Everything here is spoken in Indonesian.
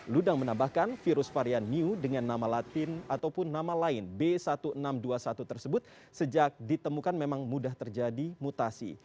ludang menambahkan virus varian new dengan nama latin ataupun nama lain b seribu enam ratus dua puluh satu tersebut sejak ditemukan memang mudah terjadi mutasi